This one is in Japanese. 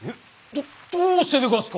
どどうしてでがすか！